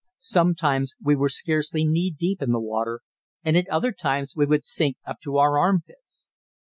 Sometimes we were scarcely knee deep in the water, and at other times we would sink up to our armpits.